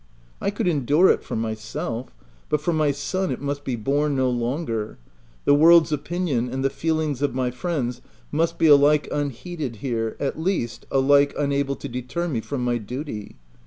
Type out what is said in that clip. I could endure it for myself, but for my son it must be borne no longer : the world's opinion and the feelings of my friends must be alike unheeded here, at least, alike unable to deter me from my duty.